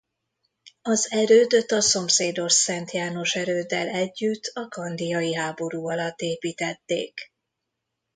Az erődöt a szomszédos Szent János erőddel együtt a kandiai háború alatt építették.